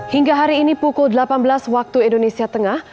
hingga hari ini pukul delapan belas waktu indonesia tengah